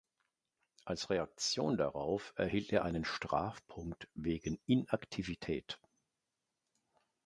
Als Reaktion darauf erhielt er einen Strafpunkt wegen Inaktivität.